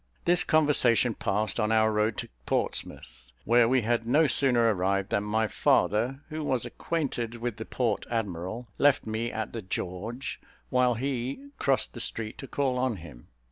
This conversation passed on our road to Portsmouth, where we had no sooner arrived than my father, who was acquainted with the port admiral, left me at the "George," while he crossed the street to call on him.